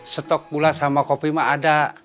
stok gula sama kopi mah ada